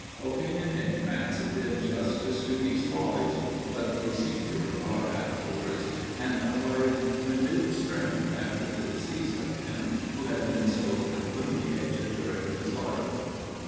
Opinion in France did justice to these follies, but they seemed to revive afterwards, and acquired renewed strength after the decease of him who had been so calumniated during his life.